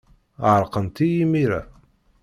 Ɛerqent-iyi imir-a.